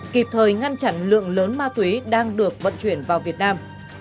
kịp thời ngăn chặn lượng lớn ma túy đang được vận chuyển vào việt nam